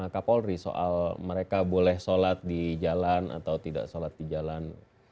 kapolri soal mereka boleh sholat di jalan atau tidak sholat di jalan